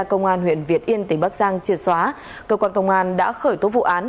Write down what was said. công an huyện việt yên tỉnh bắc giang triệt xóa cơ quan công an đã khởi tố vụ án